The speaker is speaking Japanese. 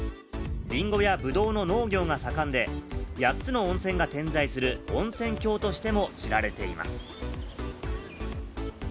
リンゴやブドウの農業が盛んで、８つの温泉が点在する温泉郷としても知られています。